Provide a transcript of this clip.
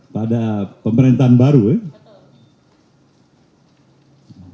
pada pemerintahan baru ya